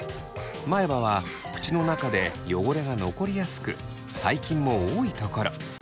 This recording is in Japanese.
前歯は口の中で汚れが残りやすく細菌も多いところ。